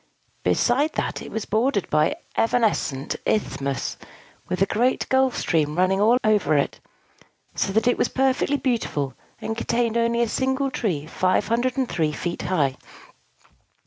Besides that, it was bordered by evanescent isthmuses, with a great gulf stream running about all over it; so that it was perfectly beautiful, and contained only a single tree, 503 feet high.